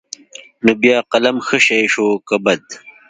نو بيا قلم ښه شى شو که بد.